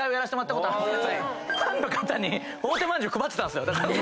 ファンの方に大手まんぢゅう配ってたんです。